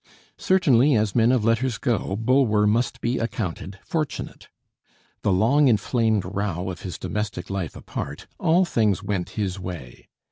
Certainly, as men of letters go, Bulwer must be accounted fortunate. The long inflamed row of his domestic life apart, all things went his way.